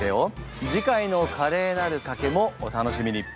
次回の「カレーなる賭け」もお楽しみに。